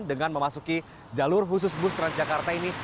dengan memasuki jalur khusus bus transjakarta ini